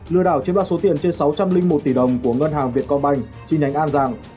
lừa đảo chiếm đoạt số tiền trên sáu trăm linh một tỷ đồng của ngân hàng việt công banh chi nhánh an giang